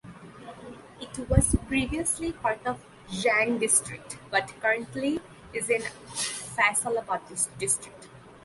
It was previously part of Jhang district but currently is in Faisalabad District.